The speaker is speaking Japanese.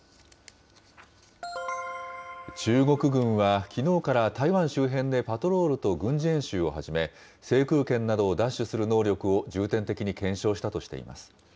中国軍はきのうから台湾周辺でパトロールと軍事演習を始め、制空権などを奪取する能力を重点的に検証したとしています。